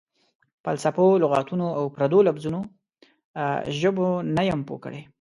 فلسفو، لغاتو او پردو لفظونو ژبو نه یم پوه کړی.